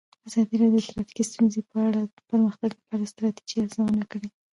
ازادي راډیو د ټرافیکي ستونزې په اړه د پرمختګ لپاره د ستراتیژۍ ارزونه کړې.